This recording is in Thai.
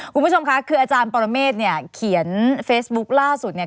คุณผู้ชมค่ะคืออาจารย์ปรเมฆเนี่ยเขียนเฟซบุ๊คล่าสุดเนี่ย